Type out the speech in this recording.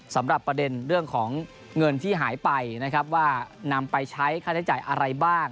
สำหรับประเด็นเรื่องของเงินที่หายไปนะครับว่านำไปใช้ค่าใช้จ่ายอะไรบ้าง